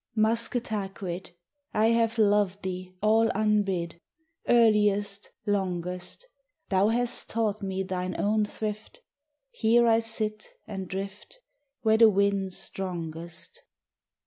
Musketaquid! I have loved thee, all unbid, Earliest, longest; Thou hast taught me thine own thrift: Here I sit, and drift Where the wind's strongest.